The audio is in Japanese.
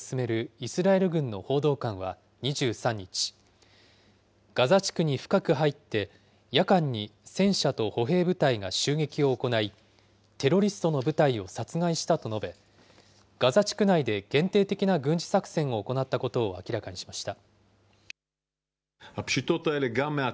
イスラエル軍の報道官は２３日、ガザ地区に深く入って、夜間に戦車と歩兵部隊が襲撃を行い、テロリストの部隊を殺害したと述べ、ガザ地区内で限定的な軍事作戦を行ったことを明らかにしました。